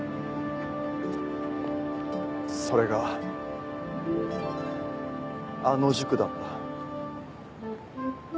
それがあの塾だった。